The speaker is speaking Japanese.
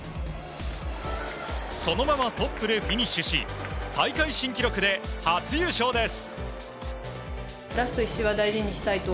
そのままトップでフィニッシュし大会新記録で初優勝です。